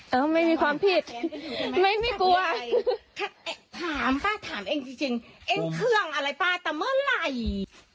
เออไม่มีความผิดไม่ไม่กลัวแค่ถามป้าถามเองจริงเองเครื่องอะไรป้าแต่เมื่อไหร่